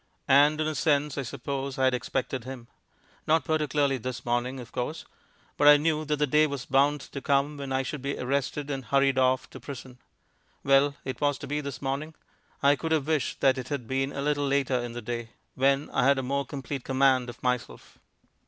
And in a sense, I suppose, I had expected him. Not particularly this morning, of course; but I knew that the day was bound to come when I should be arrested and hurried off to prison. Well, it was to be this morning. I could have wished that it had been a little later in the day, when I had more complete command of myself.